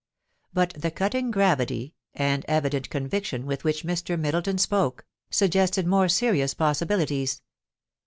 But the cutting gravity and evident conviction with which Mr. Middleton spoke, suggested more serious possibilities.